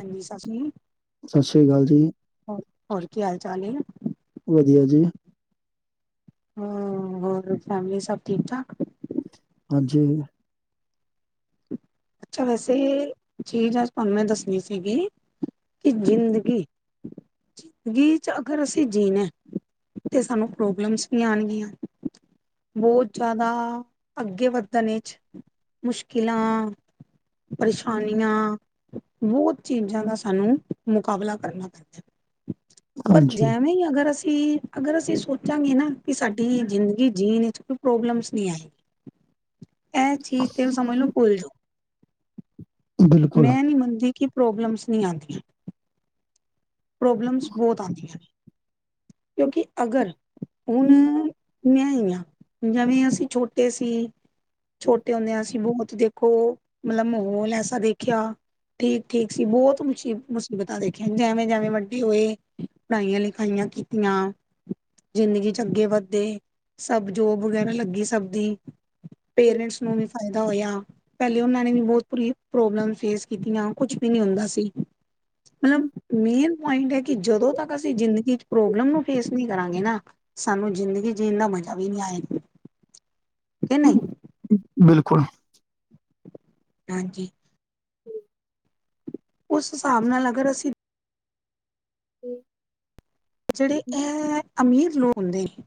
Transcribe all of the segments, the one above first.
ਹਾਂਜੀ [inaudible] ਸਤਿ ਸ੍ਰੀ ਅਕਾਲ ਜੀ ਹੋਰ ਕੀ ਹਾਲ ਚਾਲ ਹੈ? ਵਧੀਆ ਜੀ ਹ ਹੋਰ ਫੈਮਲੀ ਸਭ ਠੀਕ ਠਾਕ? ਹਾਂਜੀ ਅੱਛਾ ਵੈਸੇ ਚੀਜ਼ ਅੱਜ ਤੁਹਾਨੂੰ ਮੈਂ ਦੱਸਣੀ ਸੀਗੀ ਕਿ ਜ਼ਿੰਦਗੀ। ਜ਼ਿੰਦਗੀ ਚ ਅਗਰ ਅਸੀਂ ਜੀਣਾ। ਤੇ ਸਾਨੂੰ ਪ੍ਰੋਬਲਮਸ ਵੀ ਆਉਣਗੀਆਂ। ਬਹੁਤ ਜ਼ਿਆਦਾ ਅੱਗੇ ਵੱਧਣ ਵਿੱਚ। ਇਨਾ ਪਰੇਸ਼ਾਨੀਆਂ ਬਹੁਤ। ਚੀਜ਼ਾਂ ਦਾ ਸਾਨੂੰ ਮੁਕਾਬਲਾ ਕਰਨਾ ਪੈਂਦਾ ਪਰ ਹਾਂਜੀ ਜਿਵੇਂ ਹੀ ਅਗਰ ਅਸੀਂ। ਕਿ ਅਗਰ ਅਸੀਂ ਸੋਚਾਂਗੇ ਨਾ ਕਿ ਸਾਡੀ ਜ਼ਿੰਦਗੀ ਜੀਣ 'ਚ ਕੋਈ ਪ੍ਰੋਬਲਮਸ ਨਹੀਂ ਆਏਗੀ। ਐ ਚੀਜ਼ ਤੇ ਸਮਝ ਲੋ ਭੁਲ ਜਾਉ। ਬਿਲਕੁਲ ਮੈਂ ਨਹੀਂ ਮੰਨਦੀ ਕਿ ਪ੍ਰੋਬਲਮਸ ਨਹੀਂ ਆਉਂਦੀਆਂ। ਪ੍ਰੋਬਲਮਸ ਬਹੁਤ ਆਉਂਦੀਆਂ ਨੇ ਕਿਉਂਕਿ ਅਗਰ ਹੁਣ। ਮੈਂ ਹੀ ਹਾਂ ਜਿਵੇਂ ਅਸੀਂ ਛੋਟੇ ਸੀ। ਛੋਟੇ ਹੁੰਦੇ ਅਸੀਂ ਬਹੁਤ ਦੇਖੋ ਮਤਲਬ ਮਾਹੌਲ ਐਸਾ ਦੇਖਿਆ। ਠੀਕ-ਠੀਕ ਸੀ ਬਹੁਤ ਮੁਸੀਬ ਮੁਸੀਬਤਾਂ ਦੇਖੀਆਂ ਜੇਵੇਂ-ਜੇਵੇਂ। ਵੱਡੇ ਹੋਏ ਪੜ੍ਹਾਈਆਂ ਲਿਖਾਈਆਂ ਕੀਤੀਆਂ। ਜ਼ਿੰਦਗੀ ਚ ਅੱਗੇ ਵੱਧੇ ਸਭ ਜੋਬ ਵਗੈਰਾ ਲੱਗੀ ਸਭ ਦੀ। ਪੇਰੈਂਟਸ ਨੂੰ ਵੀ ਫਾਇਦਾ ਹੋਇਆ। ਪਹਿਲੇ ਉਹਨਾਂ ਨੇ ਵੀ ਬੋਤ ਪਰੀ ਪ੍ਰੋਬਲਮ ਫੇਸ ਕੀਤੀਆਂ ਕੁਛ ਵੀ ਨੀ ਹੁੰਦਾ ਸੀ। ਮਤਲਬ ਮੇਨ ਪੁਆਇੰਟ ਏ ਕਿ ਜਦੋਂ ਤੱਕ ਅਸੀਂ ਜ਼ਿੰਦਗੀ 'ਚ ਪ੍ਰੋਬਲਮ ਨੂੰ ਫੇਸ ਨੀ ਕਰਾਂਗੇ ਨਾ। ਸਾਨੂੰ ਜ਼ਿੰਦਗੀ ਜੀਣ ਦਾ‌ ਮਜ਼ਾ ਵੀ ਨੀ ਆਏ, ਕੇ ਨਈ। ਬਿਲਕੁਲ। ਹਾਂਜੀ। ਉਸ ਹਿਸਾਬ ਨਾਲ ਅਗਰ ਅਸੀਂ। ਹੂੰ ਜਿਹੜੇ ਇਹ ਅਮੀਰ ਲੋਕ ਹੁੰਦੇ ਨੇ।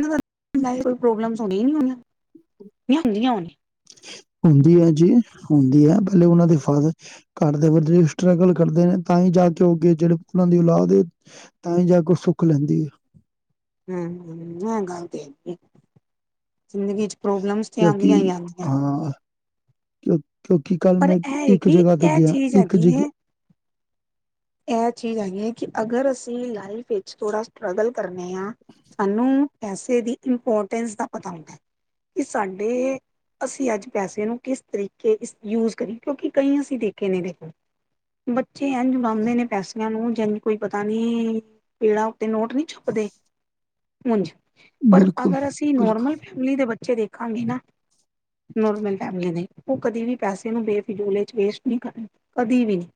ਇਨ੍ਹਾ ਦਾ ਲਾਇਫ ਪ੍ਰੋਬਲਮ ਹੁੰਦੀਆ ਨੀ ਹੋਣੀਆਂ, ਜਾ ਹੁੰਦੀਆ ਹੋਣੀਆਂ। ਹੁੰਦੀ ਹੈ ਜੀ ਹੁੰਦੀ ਹੈ ਪਹਿਲੇ ਉਹਨਾਂ ਦੇ ਫਾਦਰ। ਘਰ ਦੇ ਵਡੇੱ ਸਟਰਗਲ ਕਰਦੇ ਨੇ ਤਾਂ ਹੀ ਜਾ ਕੇ ਅਗੇ ਜਿਹੜੇ ਉਹਨਾ ਦੀ ਔਲਾਦ ਏ। ਤਾਂ ਹੀ ਜਾ ਕੇ ਸੁੱਖ ਲੈਂਦੀ ਹੈ। ਹਮ ਹ ਗੱਲ ਤੇ ਹੈਇਏ ਜਿੰਦਗੀ ਚ ਪ੍ਰੋਬਲਮ ਤੇ ਆਉਂਦੀਆਂ ਆਂਦੀਆਂ। ਕਿ ਕਿਉਂਕਿ ਕੱਲ ਪਰ ਮੈਂ ਇਹ ਹੈ ਇੱਕ ਕਿ ਜਗ੍ਹਾ ਤੇ ਇਹ ਗਿਆ ਚੀਜ਼ ਇੱਕ ਜ। ਹੈਗੀ ਹੈ ਇਹ ਚੀਜ਼ ਹੈਗੀ ਹੈ ਕਿ ਅਗਰ ਅਸੀਂ ਲਾਈਫ ਵਿੱਚ ਥੋੜ੍ਹਾ ਸਟਰਗਲ ਕਰਨੇ ਹਾਂ ਸਾਨੂੰ। ਪੈਸੇ ਦੀ ਇੰਪੋਰਟੈਂਸ ਦਾ ਪਤਾ ਹੁੰਦਾ ਹੈ ਕਿ ਸਾਡੇ। ਅਸੀਂ ਅੱਜ ਪੈਸੇ ਨੂੰ ਕਿਸ ਤਰੀਕੇ ਯੂਜ ਕਰੀਏ ਕਿਉਂਕਿ ਕਈ ਅਸੀਂ ਦੇਖੇ ਨੇ ਦੇਖੋ। ਬੱਚੇ ਇਜ ਮਾਂ। ਚਾਹੁੰਦੇ ਨੇ ਪੈਸਿਆਂ ਨੂੰ ਜਿੱਦਾਂ ਕੋਈ ਪਤਾ ਨੀ ਪੇੜਾਂ ਉੱਤੇ ਨੋਟ ਨਹੀਂ ਛੁਪਦੇ। ਉਝ ਪਰ ਬਿਲਕੁਲ ਅਗਰ ਅਸੀਂ ਬਿਲਕੁਲ ਨੋਰਮਲ ਫੈਮਿਲੀ ਦੇ ਬੱਚੇ ਦੇਖਾਂਗੇ ਨਾ। ਨੋਰਮਲ ਫੈਮਲੀ ਦੇ ਉਹ ਕਦੀ ਵੀ ਪੈਸੇ ਨੂੰ ਬੇਫਿਜੁਲ 'ਚ ਵੇਸਟ ਨਹੀਂ ਕਰਨ, ਕਦੀ ਵੀ ਨਹੀ।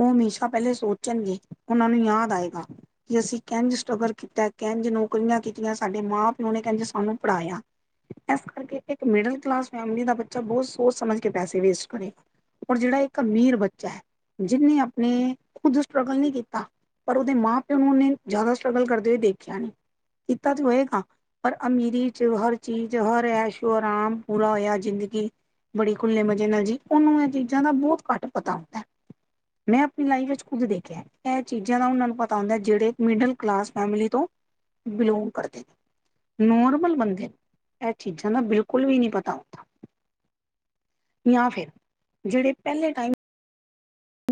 ਉਹ ਹਮੇਸ਼ਾ ਪਹਿਲੇ ਸੋਚਣਗੇ ਉਹਨਾਂ ਨੂੰ ਯਾਦ ਆਏਗਾ। ਜੇ ਅਸੀਂ ਕਿੰਝ ਸਟਰਗਲ ਕੀਤਾ ਕਿੰਝ ਨੌਕਰੀਆਂ ਕੀਤੀਆਂ ਸਾਡੇ ਮਾਂ ਪਿਓ ਨੇ ਕਿੰਜ ਸਾਨੂੰ ਪੜ੍ਹਾਇਆ। ਇਸ ਕਰਕੇ ਇੱਕ ਮਿਡਲ ਕਲਾਸ ਫੈਮਲੀ ਦਾ ਬੱਚਾ ਬਹੁਤ ਸੋਚ ਸਮਝ ਕੇ ਪੈਸੇ ਵੇਸਟ ਕਰੇਗਾ। ਔਰ ਜਿਹੜਾ ਇੱਕ ਅਮੀਰ ਬੱਚਾ ਐ। ਜਿਹਨੇ ਆਪਣੇ ਖੁਦ ਸਟਰਗਲ ਨੀ ਕੀਤਾ। ਪਰ ਉਹਦੇ ਮਾਂ ਪਿਓ ਨੂੰ ਉਹਨੇ ਜ਼ਿਆਦਾ ਸਟਰਗਲ ਕਰਦੇ ਹੋਏ ਦੇਖਿਆ ਨੀ, ਕੀਤਾ ਤੇ ਹੋਏਗਾ। ਪਰ ਅਮੀਰੀ 'ਚ ਹਰ ਚੀਜ਼ ਹਰ ਐਸ਼ੋ ਆਰਾਮ ਪੂਰਾ ਹੋਇਆ ਜ਼ਿੰਦਗੀ। ਬੜੀ ਖੁੱਲੇ ਮਜ਼ੇ ਨਾਲ ਜੀ ਉਹਨੂੰ ਇਹ ਚੀਜ਼ਾਂ ਦਾ ਬਹੁਤ ਘੱਟ ਪਤਾ ਹੁੰਦਾ ਐ। ਮੈਂ ਆਪਣੀ ਲਾਈਫ ਵਿਚ ਖੁਦ ਦੇਖਿਆ ਇਹ ਚੀਜ਼ਾਂ ਦਾ ਉਹਨਾਂ ਨੂੰ ਪਤਾ ਹੁੰਦਾ ਜਿਹੜੇ ਮਿਡਲ ਕਲਾਸ ਫੈਮਲੀ ਤੋਂ ਬਿਲੋਂਗ ਕਰਦੇ ਨੇ। ਨੋਰਮਲ ਬੰਦੇ ਇਹ ਚੀਜ਼ਾਂ ਦਾ ਬਿਲਕੁਲ ਵੀ ਨੀ ਪਤਾ ਹੁੰਦਾ। ਜਾਂ ਫੇਰ, ਜਿਹੜੇ ਪਹਿਲੇ ਟਾਈਮ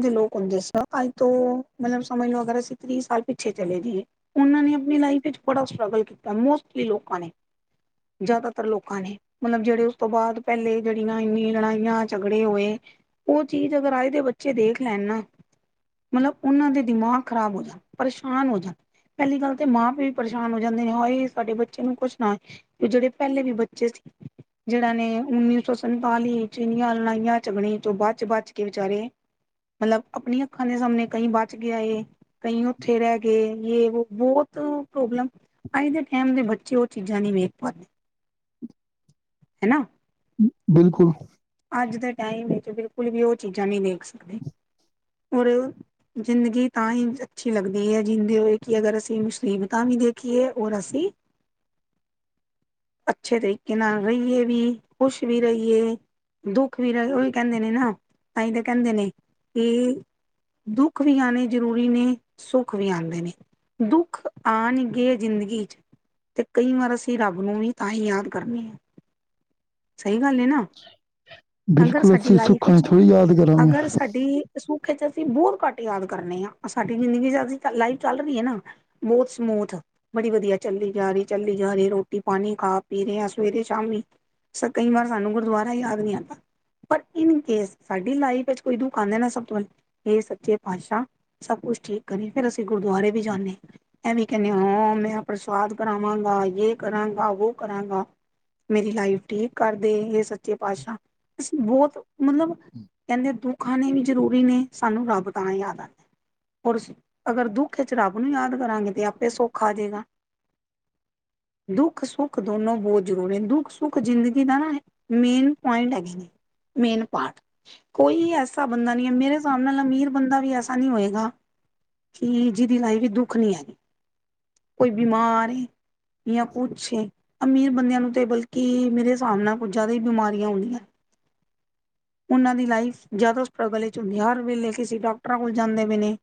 ਦੇ ਲੋਕ ਹੁੰਦੇ ਸਾਅ ਆਜ ਤੋਂ ਮਤਲਬ ਸਮਝ ਲੋ ਅਗਰ ਅਸੀ ਤੀ ਸਾਲ ਪਿੱਛੇ ਚਲੇ ਜੀਏ। ਉਹਨਾਂ ਨੇ ਆਪਣੀ ਲਾਈਫ ਵਿੱਚ ਬੜਾ ਸਟਰਗਲ ਕੀਤਾ ਮੋਸਟਲੀ ਲੋਕਾਂ ਨੇ। ਜ਼ਿਆਦਾਤਰ ਲੋਕਾਂ ਨੇ। ਮਤਲਬ ਜਿਹੜੇ ਉਸ ਤੋਂ ਬਾਅਦ ਪਹਿਲੇ ਜਿਹੜੀਆਂ ਇੰਨੀ ਲੜਾਈਆਂ, ਝਗੜੇ ਹੋਏ ਉਹ ਚੀਜ਼ ਅਗਰ ਆਏ ਦੇ ਬੱਚੇ ਦੇਖ ਲੈਣ ਨਾ ਮਤਲਬ ਉਹਨਾਂ ਦੇ ਦਿਮਾਗ ਖ਼ਰਾਬ ਹੋ ਜੇ, ਪਰੇਸ਼ਾਨ ਹੋ ਜਾਣ। ਪਹਿਲੀ ਗੱਲ ਤੇ ਮਾਂ ਪਿਓ ਵੀ ਪਰੇਸ਼ਾਨ ਹੋ ਜਾਂਦੇ ਨੇ ਹਾਏ ਸਾਡੇ ਬੱਚੇ ਨੂੰ ਕੁਛ ਨਾ ਹੋਏ। ਜਿਹੜੇ ਪਹਿਲੇ ਵੀ ਬੱਚੇ ਸੀ ਜਿਹੜਾ ਨੇ ਉੱਨੀ ਸੌ ਸੰਤਾਲੀ 'ਚ ਇੰਨੀਆ ਲੜਾਈਆਂ, ਝਗੜੇ ਤੋਂ ਬੱਚ-ਬੱਚ ਕੇ ਵਿਚਾਰੇ ਮਤਲਬ ਆਪਣੀਆਂ ਅੱਖਾਂ ਦੇ ਸਾਹਮਣੇ ਕਈ ਬਚ ਗਿਆ ਏ ਕਈ ਉੱਥੇ ਰਹਿ ਗੇ ਯੇ ਵੋ ਬਹੁਤ ਤ ਪ੍ਰੋਬਲਮ ਅੱਜ ਦੇ ਟਾਈਮ ਦੇ ਬੱਚੇ ਉਹ ਚੀਜ਼ਾਂ ਨੀ ਵੇਖ ਪਾਦੇ। ਹਨਾ। ਬਿਲਕੁਲ। ਅੱਜ ਦੇ ਟਾਈਮ ਵਿੱਚ ਬਿਲਕੁਲ ਵੀ ਉਹ ਚੀਜ਼ਾਂ ਨੀ ਵੇਖ ਸਕਦੇ, ਔਰ ਜ਼ਿੰਦਗੀ ਤਾਂ ਈ ਅੱਛੀ ਲੱਗਦੀ ਏ ਜਿੰਦੇ ਹੋਏ ਕਿ ਅਗਰ ਅਸੀਂ ਮੁਸੀਬਤਾਂ ਵੀ ਦੇਖੀਏ ਔਰ ਅਸੀਂ ਅੱਛੇ ਤਰੀਕੇ ਨਾਲ ਰਈਏ ਵੀ ਖ਼ੁਸ਼ ਵੀ ਰਈਏ। ਦੁੱਖ ਵੀ ਰ ਉਈ ਕਹਿੰਦੇ ਨੇ ਨਾ ਤਾਈ ਤਾਂ ਕਹਿੰਦੇ ਨੇ ਕਿ ਦੁੱਖ ਵੀ ਆਉਣੇ ਜ਼ਰੂਰੀ ਨੇ ਸੁੱਖ ਵੀ ਆਉਦੇ ਨੇ ਦੁੱਖ ਆਉਣਗੇ ਜ਼ਿੰਦਗੀ 'ਚ- ਤੇ ਕਈ ਵਾਰ ਅਸੀ ਰੱਬ ਨੂੰ ਵੀ ਤਾਂ ਹੀ ਯਾਦ ਕਰਨੇ ਆ ਸਹੀ ਗੱਲ ਨਾ ਅਗਰ ਬਿਲਕੁਲ ਸਾਡੀ ਅਸੀ ਲਾਈਫ ਸੁੱਖਾਂ ਵਿੱਚ ਥੋੜ੍ਹੀ ਯਾਦ ਕਰਾਂਗੇ ਅਗਰ ਸਾਡੀ ਸੂੱਖੇ 'ਚ ਅਸੀਂ ਬਹੁਤ ਘੱਟ ਯਾਦ ਕਰਨੇ ਹਾਂ ਸਾਡੀ ਜ਼ਿੰਦਗੀ 'ਚ ਅਸੀ ਲਾਈਫ ਚੱਲ ਰਹੀ ਹੈ। ਨਾ ਬਹੁਤ ਸਮੂਥ- ਬੜੀ ਵਧੀਆ ਚੱਲਦੀ ਜਾ ਰਹੀ ਚੱਲਦੀ ਜਾ ਰਹੀ ਰੋਟੀ ਪਾਣੀ ਖਾ ਪੀ ਰਹੇ ਹ ਸਵੇਰੇ ਸ਼ਾਮੀ ਕਈ ਵਾਰ ਸਾਨੂੰ ਗੁਰਦੁਆਰਾ ਯਾਦ ਨਹੀਂ ਆਉਦਾ ਪਰ ਇਨ ਕੇਸ ਸਾਡੀ ਲਾਈਫ ਵਿਚ ਕੋਈ ਦੁੱਖ ਆਉਂਦੇ ਨਾ ਸਭ ਤੋਂ ਪਹਿਲਾਂ ਇਹ ਸੱਚੇ ਪਾਤਸ਼ਾਹ ਸਭ ਕੁਛ ਠੀਕ ਕਰੀ ਫੇਰ ਅਸੀਂ ਗੁਰਦੁਆਰੇ ਵੀ ਜਾਂਨੇ। ਐ ਵੀ ਕਹਿੰਨੇ ਹਾਂ ਮੈਂ ਪ੍ਰਸ਼ਾਦ ਕਰਾਵਾਂਗਾ ਯੇ ਕਰਾਂਗਾ ਵੋ ਕਰਾਂਗਾ। ਮੇਰੀ ਲਾਈਫ ਠੀਕ ਕਰਦੇ ਇਹ ਸੱਚੇ ਪਾਤਸ਼ਾਹ, ਅਸੀ ਬਹੁਤ ਮਤਲਬ ਕਹਿੰਦੇ ਦੁਖ ਆਣੇ ਵੀ ਜ਼ਰੂਰੀ ਨੇ ਸਾਨੂੰ ਰੱਬ ਤਾਂ ਯਾਦ ਆਂਦਾ। ਹੋਰਸ ਅਗਰ ਦੁੱਖ 'ਚ ਰੱਬ ਨੂੰ ਯਾਦ ਕਰਾਂਗੇ ਤੇ ਆਪੇ ਸੋਖਾ ਹੋਜੇਗਾ। ਦੁੱਖ-ਸੁੱਖ ਦੋਨੋ ਬਹੁਤ ਜ਼ਰੂਰੀ ਨ ਦੁੱਖ-ਸੁੱਖ ਜ਼ਿੰਦਗੀ ਦਾ ਨਾ ਮੇਨ ਪੁਆਇੰਟ ਹੈਗੇ ਨੇ, ਮੇਨ ਪਾਰਟ। ਕੋਈ ਐਸਾ ਬੰਦਾ ਨੀ ਐ ਮੇਰੇ ਹਿਸਾਬ ਨਾਲ ਅਮੀਰ ਬੰਦਾ ਵੀ ਐਸਾ ਨੀ ਹੋਏਗਾ। ਕਿ ਜਿਹਦੀ ਲਾਈਫ ਵਿਚ ਦੁੱਖ ਨੀ ਹੈਗਾ, ਕੋਈ ਬਿਮਾਰ ਜਾਂ ਕੁੱਛ ਅਮੀਰ ਬੰਦਿਆਂ ਨੂੰ ਤੇ ਬਲਕਿ ਮੇਰੇ ਹਿਸਾਬ ਨਾਲ ਕੁੱਝ ਜ਼ਿਆਦਾ ਈ ਬਿਮਾਰੀਆਂ ਹੁੰਦੀਆਂ ਉਹਨਾਂ ਦੀ ਲਾਈਫ ਜ਼ਿਆਦਾ ਸਟਰਗਲ ਵਿਚ ਹੁੰਦੀ ਹਰ ਵੇਲੇ ਡਾਕਟਰਾਂ ਕੋਲ ਜਾਂਦੇ ਪ ਨੇ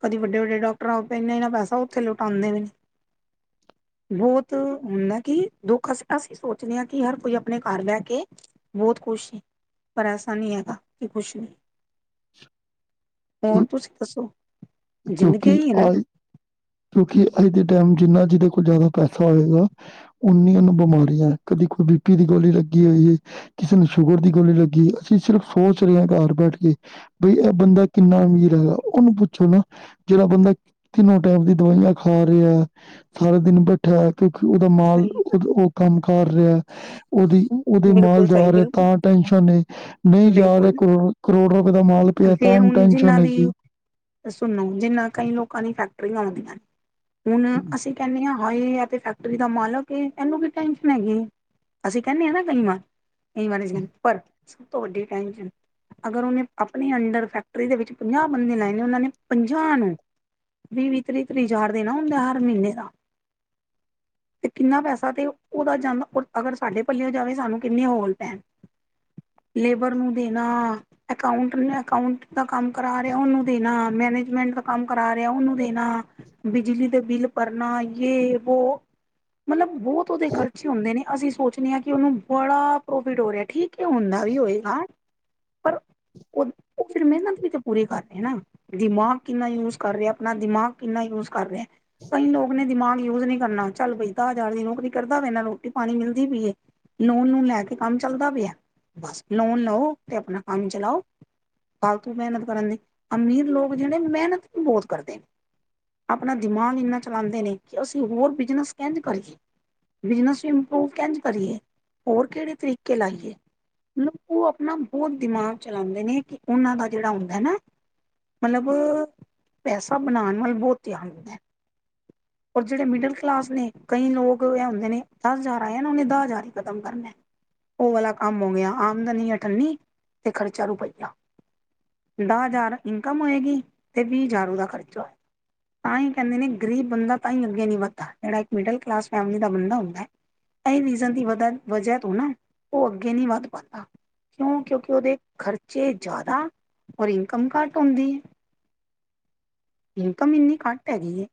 ਕਦੀ ਵਡੇ ਵਡੇ ਡਾਕਟਰ ਆਏ ਇਨਾ ਪੈਸਾ ਉਥੇ ਲੁਟਉਦੇ ਵੀ ਨੇ ਬਹੁਤ ਹੁੰਦਾ ਕਿ ਦੁੱਖ ਅਸੀ ਸੋਚਦੇ ਹਾਂ ਕਿ ਹਰ ਕੋਈ ਆਪਣੇ ਘਰ ਬਹਿਕੇ ਬਹੁਤ ਖੁਸ਼ ਸੀ ਪਰ ਐਸਾ ਨਹੀਂ ਹੈਗਾ ਕਿ ਖੁਸ਼ ਵੀ ਹੋਰ ਤੁਸੀ ਦੱਸੋ- ਜ਼ਿੰਦਗੀ ਕਿਉਕਿ ਇਹੀ ਹੈ ਆ ਨਾ ਕਿਉਕਿ ਅੱਜ ਦੇ ਟਾਈਮ ਜਿੰਨਾ ਜਿਹਦੇ ਕੋਲ ਜ਼ਿਆਦਾ ਪੈਸਾ ਹੋਏਗਾ ਉਨੀਆਂ ਨੂੰ ਬਿਮਾਰੀਆਂ ਕਦੀ ਕੋਈ ਬੀ ਪੀ ਦੀ ਗੋਲੀ ਲੱਗੀ ਹੋਈ ਹੈ। ਕਿਸੇ ਨੂੰ ਸ਼ੂਗਰ ਦੀ ਗੋਲੀ ਲੱਗੀ ਅਸੀ ਸਿਰਫ ਸੋਚ ਰਹੇ ਹਾਂ ਘਰ ਬੈਠ ਕੇ ਬਈ ਇਹ ਬੰਦਾ ਕਿੰਨਾ ਅਮੀਰ ਹੈਗਾ ਉਹਨੂੰ ਪੁੱਛੋ ਨਾ ਜਿਹੜਾ ਬੰਦਾ ਤਿੰਨੋਂ ਟਾਈਮ ਦੀ ਦਵਾਈਆਂ ਖਾ ਰਿਹਾ ਸਾਰੇ ਦਿਨ ਬੈਠਾ ਕਿਉਕਿ ਉਹਦਾ ਮਾਲ ਸਹੀ ਗੱਲ ਉਹ, ਉਹ ਕੰਮ ਕਰ ਰਿਹਾ ਉਹਦੀ ਉਹਦੇ ਮਾਲ ਬਿਲਕੁਲ ਸਹੀ ਜਾ ਰਿਹਾ ਬਿਲਕੁਲ ਤਾਂ ਟੈਨਸ਼ਨ ਏ ਨਈਂ ਜਾ ਰਹੇ ਬਿਲਕੁਲ ਕਰੋ, ਕਰੋੜ ਰੋਪੇ ਦਾ ਮਾਲ ਪਿਆ ਤਾਂ ਫੇਰ ਹੁਣ ਟੈਂਸ਼ਨ ਜਿਨਾਂ ਦੀ ਹੈਕਿ ਸੁਣੋ ਜਿੰਨਾ ਕਈ ਲੋਕਾਂ ਦੀ ਫੈਕਟਰੀਆਂ ਆਉਦੀਆਂ ਨੇਂ ਹੁਣ ਅਸੀ ਕਹਿਣੇ ਆਂ ਹਾਏ ਆ ਤੇ ਫੈਕਟਰੀ ਦਾ ਮਾਲਕ ਏ ਇਹਨੂੰ ਕੀ ਟੈਂਸ਼ਨ ਹੈਗੀ। ਅਸੀ ਕਹਿਦੇ ਆਂ ਨਾਂ [unintelligible] ਪਰ ਸਭ ਤੋਂ ਵੱਡੀ ਟੈਂਨਸ਼ਨ ਅਗਰ ਉਹਨੇਂ ਆਪਣੇ ਅੰਡਰ ਫੈਕਟਰੀ ਦੇ ਵਿਚ ਪੰਜਾਹ ਬੰਦੇ ਲਾਏ ਨੇਂ, ਉਹਨਾਂ ਨੇ ਪੰਜਾਹ ਨੂੰ ਵੀਹ ਵੀਹ ਤਰੀਹ ਤੀਹ ਚਾਰ ਦੇ ਨਾਂ ਹੁੰਦੇ ਹਰ ਮਹੀਨੇਂ ਦਾ ਤੇ ਕਿੰਨਾ ਪੈਸਾ ਤੇ ਉਹਦਾ ਜਾਂਦਾ ਔਰ ਅਗਰ ਸਾਡੇ ਪੱਲਿਓ ਜਾਵੇ ਸਾਨੂੰ ਕਿੰਨੇ ਹੋਲ ਪੈਣ। ਲੇਬਰ ਨੂੰ ਦੇਣਾ ਇਕਾਂਓਟ ਮ ਇਕਾਂਓ ਦਾ ਕੰਮ ਕਰਾ ਰਿਹਾ ਉਹਨੂੰ ਦੇਣਾ ਮੈਨੇਜਮੈਟ ਦਾ ਕੰਮ ਕਰਾ ਰਿਹਾ ਉਹਨੂੰ ਦੇਣਾ। ਬਿਜਲੀ ਦੇ ਬਿਲ ਭਰਨਾ ਯੇ ਵੋ ਮਤਲਬ ਬਹੁਤ ਉਹਦੇ ਖਰਚੇ ਹੁੰਦੇ ਨੇਂ, ਅਸੀ ਸੋਚਦੇ ਆਂ ਕਿ ਉਹਨੂੰ ਬੜਾ ਪ੍ਰੋਫਿਟ ਹੋ ਰਿਆ, ਠੀਕ ਐ, ਹੁੰਦਾ ਵੀ ਹੋਏਗਾ। ਪਰ ਉਹ, ਉਹ ਫਿਰ ਮਿਹਨਤ ਵੀ ਤਾਂ ਪੂਰੀ ਕਰਨੇ ਨਾਂ ਦਿਮਾਗ ਕਿੰਨਾ ਯੂਜ ਕਰ ਰਿਹਾ ਆਪਣਾ, ਦਿਮਾਗ ਕਿੰਨਾ ਯੂਜ ਕਰ ਰਿਹਾ। ਕਈ ਲੋਕ ਨੇਂ ਦਿਮਾਗ ਯੂਜ ਨਈਂ ਕਰਨਾ ਚੱਲ ਬਈ ਦਾਜ਼ਾਰ ਦੀ ਨੌਕਰੀ ਕਰਦਾ ਪੇ ਨਾਲ ਰੋਟੀ-ਪਾਣੀ ਮਿਲਦੀ ਪਈ ਏ। ਲੋਨ ਨੂੰ ਲੈ ਕੇ ਕੰਮ ਚੱਲਦਾ ਪਿਆ, ਬਸ ਲੋਨ ਲਓ ਤੇ ਆਪਣਾ ਕੰਮ ਚਲਾਓ। ਫਾਲਤੂ ਮਿਹਨਤ ਕਰਨ ਦੀ, ਅਮੀਰ ਲੋਕ ਜਿਹੜੇ ਮਿਹਨਤ ਵੀ ਬਹੁਤ ਕਰਦੇ। ਆਪਣਾ ਦਿਮਾਗ ਇੰਨਾ ਚਲਾਉਂਦੇ ਨੇਂ, ਕਿ ਅਸੀਂ ਹੋਰ ਬਿਜਨਸ ਕਿੰਝ ਕਰੀਏ। ਬਿਜਨਸ ਇੰਪਰੂਵ ਕਰੀਏ, ਹੋਰ ਕਿਹੜੇ ਤਰੀਕੇ ਲਾਈਏ ਮਤਲਬ ਉਹ ਆਪਣਾ ਬਹੁਤ ਦਿਮਾਗ ਚਲਾਉਂਦੇ ਨੇਂ, ਕਿ ਉਹਨਾਂ ਦਾ ਜਿਹੜਾ ਹੁੰਦਾ ਨਾਂ ਮਤਲਬ, ਪੈਸਾ ਬਣਾਉਣ ਵੱਲ ਬਹੁਤ ਧਿਆਨ ਦਿੰਦਾ। ਔਰ ਜਿਹੜੇ ਮਿਡਲ ਕਲਾਸ ਨੇਂ, ਕਈ ਲੋਕ ਇਹ ਹੁੰਦੇ ਨੇਂ, ਦਸ ਹਜ਼ਾਰ ਆਏ ਨਾਂ ਉਹਨੇ ਦਸ ਹਜ਼ਾਰ ਹੀ ਖ਼ਤਮ ਕਰਨਾ। ਉਹ ਵਾਲਾ ਕੰਮ ਹੋ ਗਿਆ, ਆਮਦਨੀ ਆਠੰਨੀ ਤੇ ਖਰਚਾ ਰੂਪਈਆ ਦਸ ਹਜ਼ਾਰ ਇਨਕਮ ਹੋਏਗੀ, ਤੇ ਵੀਹ ਹਜ਼ਾਰ ਉਹਦਾ ਖਰਚਾ। ਤਾਂ ਹੀ ਕਹਿੰਦੇ ਨੇਂ, ਗਰੀਬ ਬੰਦਾ ਤਾਂ ਈ ਅੱਗੇ ਨਈਂ ਵਧਦਾ, ਜਿਹੜਾ ਇਕ ਮਿਡਲ ਕਲਾਸ ਫੈਮਲੀ ਦਾ ਬੰਦਾ ਹੁੰਦਾ ਐ ਇਹ ਰੀਜ਼ਨ ਦੀ ਵਦਾ, ਵਜ੍ਹਾ ਤੋਂ ਨਾਂ ਉਹ ਅੱਗੇ ਨਈਂ ਵੱਧ ਪਾਂਦਾ। ਕਿਉਂ ਕਿਉਂਕਿ ਉਹਦੇ ਖਰਚੇ ਜ਼ਿਆਦਾ ਔਰ ਇਨਕਮ ਘੱਟ ਹੁੰਦੀ ਐ। ਇਨਕਮ ਇੰਨੀ ਘੱਟ ਹੈਗੀ ਐ।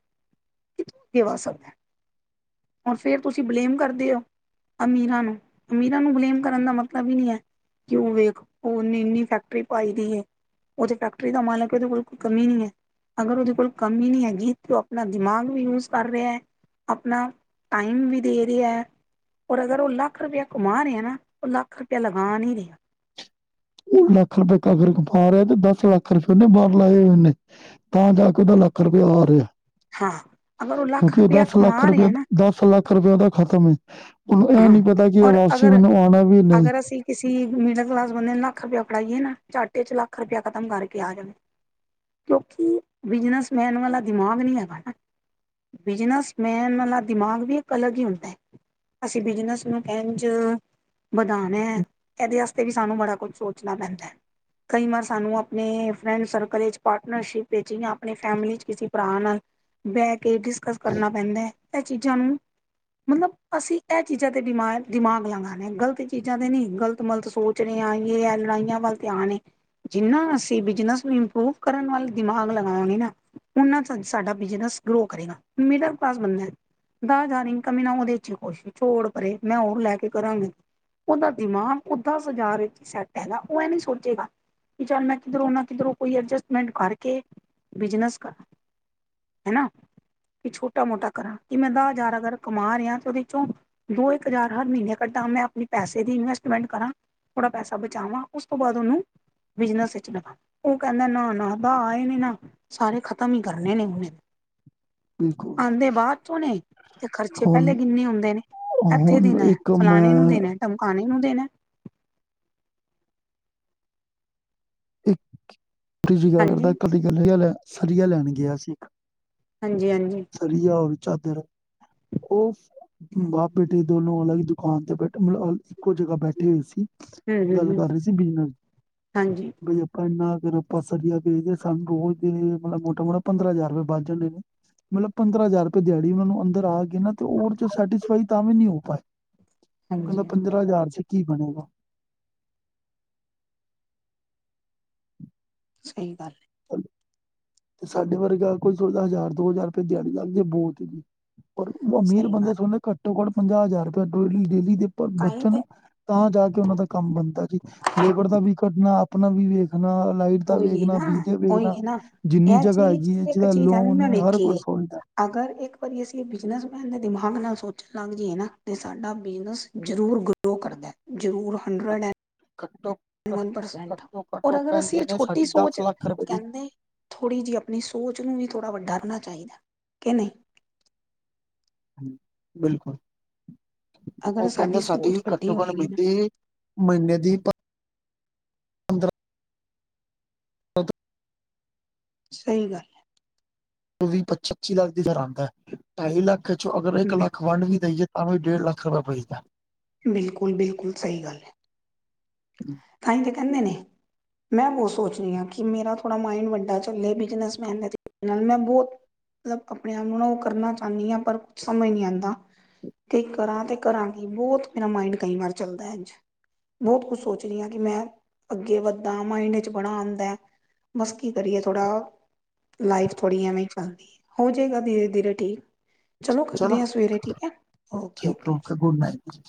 ਕਿ ਤੂੰ [unintelligible] ਸਕਦਾ ਹੁਣ ਫੇਰ ਤੁਸੀ ਬਲੇਮ ਕਰਦੇ ਔ ਅਮੀਰਾਂ ਨੂੰ, ਅਮੀਰਾਂ ਨੂੰ ਬਲੇਮ ਕਰਨ ਦਾ ਮਤਲਬ ਈ ਨਈਂ ਐ। ਕਿਉ ਵੇਖ, [unintelligible] ਨੇ ਇੰਨੀ ਫੈਕਟਰੀ ਪਾਈ ਦੀ ਐ। ਉਹ ਤੇ ਫੈਕਟਰੀ ਦਾ ਮਾਲਕ ਏ, ਉਹਦੇ ਕੋਲ ਕੋਈ ਕਮੀ ਨੀਂ ਐ। ਅਗਰ ਉਹਦੇ ਕੋਲ ਕਮੀ ਨਹੀਂ ਹੈਗੀ ਤੇ ਉਹ ਆਪਣਾ ਦਿਮਾਗ ਵੀ ਯੂਜ ਕਰ ਰਿਹਾ ਆਪਣਾ। ਟਾਈਮ ਵੀ ਦੇ ਰਿਹਾ ਔਰ ਅਗਰ ਉਹ ਲੱਖ ਰੁਪਇਆ ਕਮਾ ਰੈ ਐ ਨਾਂ ਉਹ ਲੱਖ ਰੁਪਇਆ ਲਗਾ ਨਹੀਂ ਰਿਹਾ ਉਹ ਲੱਖ ਰੁਪਏ ਕਮਾ ਰਿਹਾ ਤੇ ਦਸ ਲੱਖ ਰੁਪਏ ਉਹਨੇਂ ਲਾਏ ਹੋਏ ਓਨੇ ਤਾਂ ਜਾ ਕੇ ਉਹਦਾ ਲੱਖ ਰੁਪਇਆ ਆ ਰਿਹਾ। ਹਾਂ, ਅਗਰ ਉਹ ਲੱਖ ਕਿਉਂਕਿ ਰੁਪਇਆ ਲੱਖ ਕਮਾ ਰੁਪਏ ਰਿਹਾ ਨਾਂ ਲੱਖ ਰੁਪਇਏ ਉਹਦਾ ਖਤਮ, ਉਹਨੂੰ ਇਹ ਹਾਂ ਨੀਂ ਪਤਾ ਕਿ ਇਹ ਔਰ ਵਾਪਸੀ ਅਗਰ ਮੈਨੂੰ ਆਉਣਾ ਵੀ ਨਈਂ। ਅਗਰ ਅਸੀਂ ਕਿਸੇ ਮਿਡਲ ਕਲਾਸ ਬੰਦੇ ਨੇਂ ਲੱਖ ਰੁਪਇਆ ਫੜਾਈਏ ਨਾ, ਚੱਟੇ ਚ ਲੱਖ ਰੁਪਇਆ ਖਤਮ ਕਰਕੇ ਆ ਜਾ [unintelligible] ਕਿਉਂਕਿ, ਬਿਜਨਸਮੈਨ ਵਾਲਾ ਦਿਮਾਗ ਨੀਂ ਹੈਗਾ। ਬਿਜਨਸਮੈਨ ਦਾ ਦਿਮਾਗ ਵੀ ਇੱਕ ਅਲੱਗ ਹੀ ਹੁੰਦਾ। ਅਸੀਂ ਬਿਜਨਸ ਨੂੰ ਕਿੰਝ ਵਧਾਣਾ ਐ, ਇਹਦੇ ਵਾਸਤੇ ਵੀ ਸਾਨੂੰ ਬੜਾ ਕੁੱਛ ਸੋਚਣਾ ਪੈਂਦਾ ਐ। ਕਈ ਵਾਰ ਸਾਨੂੰ ਆਪਣੇ ਫਰੈਂਡ ਸਰਕਲ ਇੱਚ, ਪਾਰਟਨਰਸ਼ਿਪ ਇੱਚ, ਆਪਣੇ ਫੈਮਲੀ ਚ ਕਿਸੇ ਭਰਾ ਨਾਲ ਬਹਿ ਕੇ ਡਿਸਕਸ ਕਰਨਾ ਪੈਂਦਾ ਐ, ਇਹ ਚੀਜ਼ਾਂ ਨੂੰ ਮਤਲਬ ਅਸੀਂ ਇਹ ਚੀਜ਼ਾਂ ਤੇ ਬਿਮਾਰ ਦਿਮਾਗ ਲਾਾਂਦੇ ਗਲਤ ਚੀਜ਼ਾਂ ਤੇ ਨੀ ਗਲਤ ਮਲਤ ਸੋਚ ੱਚੜ ਆਈਏ ਹੈ ਲੜਾਈਆਂ ਵੱਲ ਧਿਆਨ ਜਿੰਨਾ ਅਸੀਂ ਬਿਜਨਸ ਨੂੰ ਇੰਪਰੂਵ ਕਰਨ ਵੱਲ ਦਿਮਾਗ ਲਗਾਉਣੇ ਨਾ ਉਹ ਸਾਡਾ ਬਿਜਨਸ ਗਰੋ ਕਰੇਗਾ। ਮਿਡਲ ਕਲਾਸ ਬੰਦਾ ਦ ਜਾ ਰਹੀ ਕਮੀ ਨਾ ਉਹਦੇ ਚ ਹੀ ਕੁਸ਼ ਛੋੜ ਪਰੇ ਮੈਂ ਉਹਨ ਲੈ ਕੇ ਕਰਾਂਗੀ। ਉਹਦਾ ਦਿਮਾਗ ਓਦਾਂ ਸਜਾਅ ਵਿੱਚ ਸੈੱਟ ਹੈਗਾ ਉਹ ਇਹ ਨੀ ਸੋਚੇਗਾ। ਵੀ ਚੱਲ ਮੈਂ ਕਿਧਰੋਂ ਨਾ ਕਿਧਰੋਂ ਕੋਈ ਐਡਜਸਟਮੈਂਟ ਕਰਕੇ ਬਿਜਨਸ ਕਰ ਹਨਾ ਵੀ ਛੋਟਾ ਮੋਟਾ ਕਰਾਂ, ਕਿ ਮੈਂ ਦ ਹਜ਼ਾਰ ਅਗਰ ਕਮਾ ਰਿਹਾ ਤੇ ਉਹਦੇ ਦੋ ਇੱਕ ਹਜ਼ਾਰ ਹਰ ਮਹੀਨੇ ਕੱਢਾਂ ਮੈਂ, ਆਪਣੇ ਪੈਸੇ ਦੀ ਇਨਵੈਸਟਮੈਂਟ ਕਰਾਂ ਥੋੜਾ ਪੈਸਾ ਬਚਾਵਾਂ ਉਸ ਤੋਂ ਬਾਅਦ ਉਹਨੂੰ ਬਿਜਨਸ ਵਿੱਚ ਉਹ ਕਹਿੰਦਾ ਨਾ ਨਾ ਦਾਏ ਨੇ ਨਾ ਸਾਰੇ ਖ਼ਤਮ ਹੀ ਕਰਨੇ ਨੇ ਹੁਣੇ ਬਿਲਕੁਲ ਆਉਂਦੇ ਬਾਹਰ ਚੋਣੇ ਤੇ ਖਰਚੇ ਹੁਣ ਪਹਿਲੇ ਕਿੰਨੇ ਹੁੰਦੇ ਦੇਣੇ ਇੱਥੇ ਹੁਣ ਦੇਣਾ ਇੱਕ ਫਲਾਣੇ ਮੈਂ ਨੂੰ ਦੇਣਾ ਟਮਕਾਣੇ ਨੂੰ ਦੇਣਾ। ਇੱਕੀਜੀ ਹਾਂਜੀ ਗੱਲਦਾ ਕਦੀ ਗੱਲ ਲੈ ਸਰੀਆ ਲੈਣ ਗਿਆ ਸੀ ਇੱਕ ਹਾਂਜੀ ਹਾਂਜੀ। ਵਆ ਔਰ ਚਾਦਰ ਉਹ ਮਾਂ ਬੇਟੀੇ ਦੋਨੋ ਅਲਗ ਦੁਕਾਨ ਤੇ ਬੈਠੇ ਮਤਲਬ ਇੱਕੋ ਜਗ੍ਹਾ ਬੈਠੇ ਹੋਏ ਸੀ ਹਮ ਹਮ ਗੱਲ ਹਮ ਕਰ ਰਹੇ ਸੀ ਬਿਜ਼ਨਸ ਹਾਂਜੀ। ਆਪਾਂ ਇੰਨਾ ਅਗਰ ਆਪਾਂ ਸਰੀਆ ਵੇਚਦੇ, ਸਾਨੂੰ ਰੋਜ਼ ਦੇ ਮਤਲਬ ਮੋਟਾ ਮੋਟਾ ਪੰਦਰਾਂ ਹਜ਼ਾਰ ਰੁਪਏ ਬੱਚ ਜਾਂਦੇ ਨੇ। ਮਤਲਬ ਪੰਦਰਾਂ ਹਜ਼ਾਰ ਰੁਪਏ ਦਿਹਾੜੀ ਮੈਨੂੰ ਅੰਦਰ ਆ ਕੇ ਨਾ ਤੇ ਉਹ ਚ ਸੈਟੀਸਫਾਈ ਤਾਂ ਵੀ ਨੀ ਹੋ ਪਾਏ। ਕਹਿੰਦਾ ਹਾਂਜੀ ਹਾਂਜੀ ਪੰਦਰਾਂ ਹਜ਼ਾਰ ਚ ਕੀ ਬਣੇਗਾ। ਸਹੀ ਗੱਲ। ਤੇ ਸਾਡੇ ਵਰਗਾ ਕੋਈ ਹਜ਼ਾਰ ਦੋ ਹਜ਼ਾਰ ਰੁਪਏ ਦਿਹਾੜੀ ਲੱਗ ਜੇ ਬਹੁਤ ਹੈਗੀ। ਪਰ ਅਮੀਰ ਸਹੀ ਬੰਦੇ ਗੱਲ ਥੋੜੀ ਨਾ ਘੱਟੋ ਘੱਟ ਪੰਜਾਹ ਹਜ਼ਾਰ ਰੁਪਏ ਡੇਲੀ ਡੇਲੀ ਦੇ ਪਰ ਤਾਂਹੀ ਤੇ ਬਚਣ ਤਾ ਜਾ ਕੇ ਉਹਨਾਂ ਦਾ ਕੰਮ ਬਣਦਾ ਜੀ। ਲੇਬਰ ਦਾ ਵੀ ਕੱਢਣਾ ਆਪਣਾ ਵੀ ਵੇਖਣਾ ਲਾਈਟ ਦਾ ਉਹੀ ਵੇਖਣਾ ਨਾ ਬਿਜਲੀ ਦਾ ਉਹੀ ਵੇਖਣਾ। ਹੈ ਨਾ ਜਿੰਨੀ ਇਹ ਜਗ੍ਹਾ ਚੀਜ਼ ਹੈਗੀ ਐ ਇੱਕ ਜਿਹਦਾ ਚੀਜ਼ ਐ ਵੀ ਲੋਨ ਮੈਂ ਏ ਹਰ ਵੇਖੀ ਕੋਈ ਸੋਚਦਾ। ਅਗਰ ਇੱਕ ਵਾਰੀ ਅਸੀਂ ਬਿਜਨਸਮੈਨ ਦੇ ਦਿਮਾਗ ਨਾਲ ਸੋਚਣ ਲੱਗ ਜਾਈਏ ਨਾ ਤੇ ਸਾਡਾ ਬਿਜਨਸ ਜ਼ਰੂਰ ਗ ਕਰਦਾ ਜ਼ਰੂਰ ਹੰਡਰਡ ਐਂ ਕੱਟੋਂ ਸੈਂਟ ਔਰ ਅਗਰ ਅਸੀਂ ਨੇ ਛੋਟੀ ਸਾਡੀ ਸੋਚ ਦਸ ਲੱਖ ਰੁਪਏ ਦੀ ਕਹਿੰਦੇ ਥੋੜ੍ਹੀ ਜਿਹੀ ਆਪਣੀ ਸੋਚ ਨੂੰ ਵੀ ਥੋੜ੍ਹਾ ਵੱ ਡਾ ਕਰਨਾ ਚਾਹੀਦਾ ਕਿ ਨਹੀਂ ਬਿਲਕੁਲ ਅਗਰ ਉਹ ਸਾਡੀ ਕਹਿੰਦੇ ਸਾਦੀ ਸੋਚ ਵੱਡੀ ਕੱਟੋਕਟ ਹੋਏਗੀ ਨਾ ਬੀਤੀ ਮਹੀਨੇ ਦੀ ਐ ਤੇ ਹੈ ਸਹੀ ਗੱਲ ਵੀਹ ਪੱਚੀ ਲੱਖ ਦੀ ਦਰ ਆਉਂਦਾ, ਢਾਈ ਲੱਖ ਚੋਂ ਅਗਰ ਇੱਕ ਗੱਲ ਬਿਲ ਲੱਖ ਵੰਡ ਵੀ ਦੇਈਏ ਆਂ ਡੇਢ ਲੱਖ ਰਪ ਪਈਸਾ ਬਿਲਕੁਲ, ਬਿਲਕੁਲ ਸਹੀ ਗੱਲ ਹੈ। ਤਾਂ ਹੀ ਤੇ ਕਹਿੰਦੇ ਨੇ ਮੈਂ ਹੋਰ ਸੋਚ ਰਹੀ ਹਾਂ ਕਿ ਮੇਰਾ ਥੋੜ੍ਹਾ ਮਾਇੰਡ ਵੱਡਾ ਚੱਲੇ ਬਿਜਨੈਸਮੈਨ ਨਾਲੇ ਮੈਂ ਬਹੁਤ ਮਤਲਬ ਆਪਣੇ ਆਪ ਨੂੰ ਨਾ ਉਹ ਕਰਨਾ ਚਾਹੁੰਦੀ ਹਾ ਪਰ ਕੁਛ ਸਮਝ ਨਹੀਂ ਆਂਦਾ। ਕੀ ਕਰਾਂ ਤੇ ਕਰਾਂ ਕੀ ਬਹੁਤ ਮੇਰਾ ਮਾਇੰਡ ਕਈ ਵਾਰ ਚੱਲਦਾ ਅੱਜ ਬਹੁਤ ਕੁਛ ਸੋਚ ਕਿ ਮੈਂ ਅੱਗੇ ਵੱਦਾ ਮਾਇੰਡ ਚ ਬੜਾ ਆਉਂਦਾ। ਬਸ ਕੀ ਕਰੀਏ ਥੋੜਾ ਲਾਈਫ ਥੋੜੀ ਐਵੇਂ ਚੱਲਦੀ ਏ ਹੋ ਜਾਏਗਾ ਦੀਰੇ ਦੀਰੇ ਠੀਕ। ਚਲੋ ਕਰਦੇ ਹਾਂ ਸਵੇਰੇ ਠੀਕ ਹੈ ਠੀਕ ਓਕੇ ਗੁਡ ਨਾਈਟ।